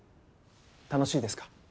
楽しいですか？